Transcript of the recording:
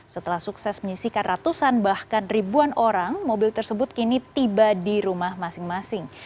setelah sukses menyisikan ratusan bahkan ribuan orang mobil tersebut kini tiba di rumah masing masing